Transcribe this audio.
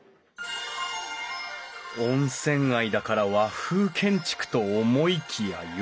温泉街だから和風建築と思いきや洋館！